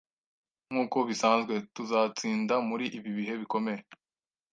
“Nkuko bisanzwe, tuzatsinda muri ibi bihe bikomeye